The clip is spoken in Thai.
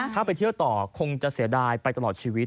ถ้าไปเที่ยวต่อคงจะเสียดายไปตลอดชีวิต